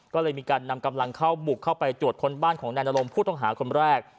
ก็เลยมีการนำกำลังเข้าบุกเข้าไปตรวจคนบ้านของนายนรงผู้ต้องหาคนแรก